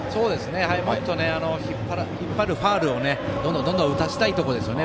やはりもっと引っ張るファウルをどんどん打たせたいところですね